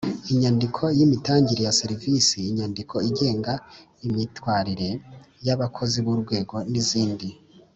Inyandiko y imitangire ya serivisi inyandiko igenga imyitwarire y abakozi b urwego n izindi